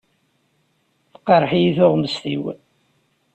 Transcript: Teqreḥ-iyi tuɣmest-iw.